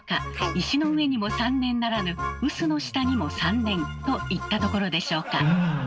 石の上にも３年ならぬ臼の下にも３年といったところでしょうか？